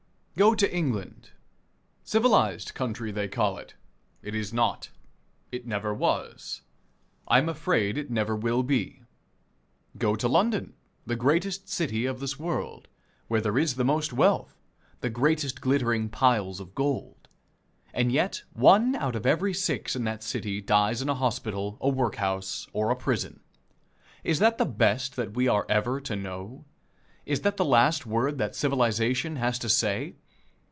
Go to England. Civilized country they call it. It is not. It never was. I am afraid it never will be. Go to London, the greatest city of this world, where there is the most wealth the greatest glittering piles of gold. And yet, one out of every six in that city dies in a hospital, a workhouse or a prison. Is that the best that we are ever to know? Is that the last word that civilization has to say?